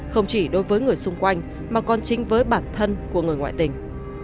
không chỉ đối với người xung quanh mà còn chính với bản thân của người ngoại tình